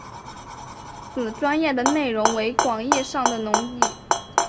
此专页的内容为广义上的农业。